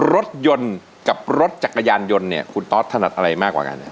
รถยนต์กับรถจักรยานยนต์เนี่ยคุณตอสถนัดอะไรมากกว่ากัน